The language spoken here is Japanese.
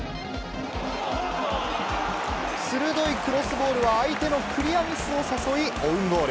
鋭いクロスボールは、相手のクリアミスを誘い、オウンゴール。